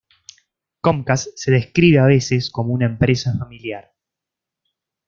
Comcast se describe a veces como una empresa familiar.